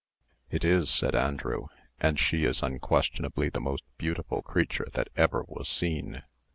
"It is," said Andrew; "and she is unquestionably the most beautiful creature that ever was seen."